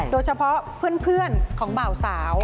โดยเฉพาะเพื่อนของบ่าวสาว